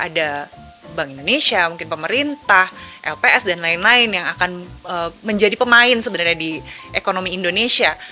ada bank indonesia mungkin pemerintah lps dan lain lain yang akan menjadi pemain sebenarnya di ekonomi indonesia